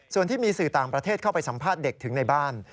ส่วนที่มีสื่อต่างประเทศเข้าไปสัมภาษณ์เด็กถึงในบ้าน